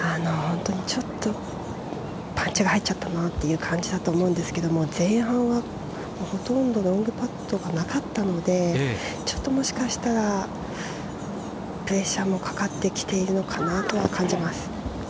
ちょっとパンチが入っちゃった感じだと思うんですけど前半はほとんどロングパットがなかったのでもしかしたらプレッシャーもかかってきているのかなとは感じます。